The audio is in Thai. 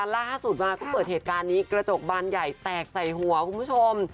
ล่าสุดมาก็เกิดเหตุการณ์นี้กระจกบานใหญ่แตกใส่หัวคุณผู้ชม